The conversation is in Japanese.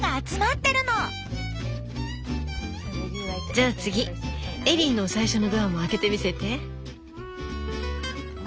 じゃあ次エリーの最初のドアも開けてみせて。